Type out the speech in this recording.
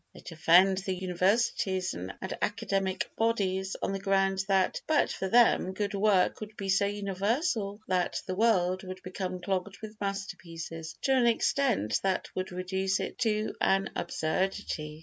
They defend the universities and academic bodies on the ground that, but for them, good work would be so universal that the world would become clogged with masterpieces to an extent that would reduce it to an absurdity.